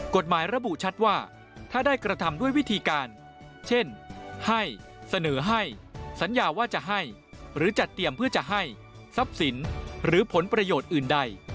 กฎหมายระบุชัดว่าถ้าได้กระทำด้วยวิธีการเช่นให้เสนอให้สัญญาว่าจะให้หรือจัดเตรียมเพื่อจะให้ทรัพย์สินหรือผลประโยชน์อื่นใด